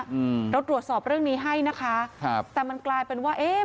อืมเราตรวจสอบเรื่องนี้ให้นะคะครับแต่มันกลายเป็นว่าเอ๊ะ